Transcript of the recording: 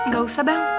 gak usah bang